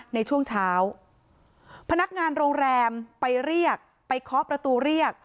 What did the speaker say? ในช่วงเช้าพนักงานโรงแรมไปเรียกไปเคาะประตูเรียก